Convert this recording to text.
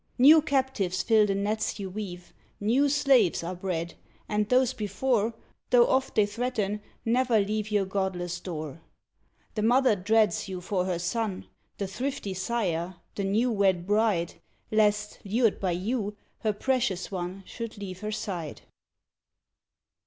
New captives fill the nets you weave; New slaves are bred; and those before, Though oft they threaten, never leave Your godless door. The mother dreads you for her son, The thrifty sire, the new wed bride, Lest, lured by you, her precious one Should leave her side.